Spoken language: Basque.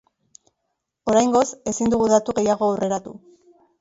Oraingoz ezin dugu datu gehiago aurreratu.